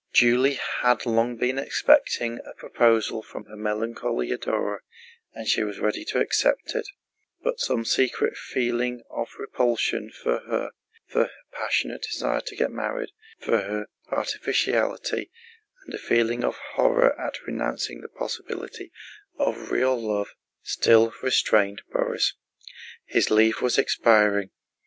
Julie had long been expecting a proposal from her melancholy adorer and was ready to accept it; but some secret feeling of repulsion for her, for her passionate desire to get married, for her artificiality, and a feeling of horror at renouncing the possibility of real love still restrained Borís. His leave was expiring.